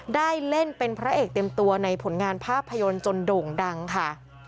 ได้เล่นเป็นพระเอกเต็มตัวในผลงานภาพยนตร์จนโด่งดังค่ะ